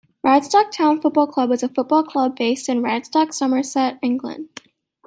Radstock Town Football Club is a football club based in Radstock, Somerset, England.